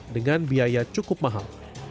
dengan biaya cukup mahal